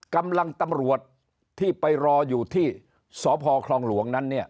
กำลังตำรวจที่ไปรออยู่ที่สอบภคลองหลวงนั้น